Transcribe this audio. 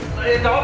tại em đâu